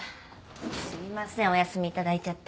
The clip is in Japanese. すみませんお休み頂いちゃって。